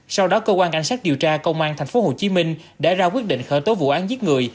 sau đó cơ quan cảnh sát điều tra công an tp hcm đã ra quyết định khởi tố vụ án giết người